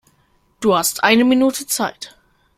Du hast eine Minute Zeit.